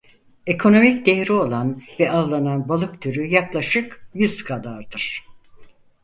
Ekonomik değeri olan ve avlanan balık türü yaklaşık yüz kadardır.